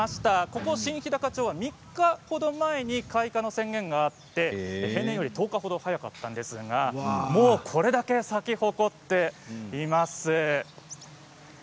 ここ新ひだか町は３日ほど前に開花の宣言があって平年より１０日ほど早かったんですがもうこれほど咲き誇っています。